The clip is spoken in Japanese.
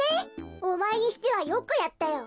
おまえにしてはよくやったよ。